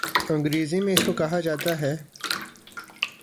انگریزی میں اس کو کہا جاتا ہے